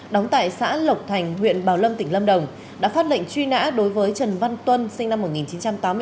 đóng tại xã lộc thành huyện bảo lâm tỉnh lâm đồng đã phát lệnh truy nã đối với trần văn tuân sinh năm một nghìn chín trăm tám mươi tám